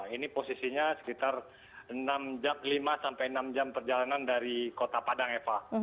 ini posisinya sekitar lima sampai enam jam perjalanan dari kota padang eva